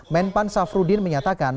men pan syafruddin menyatakan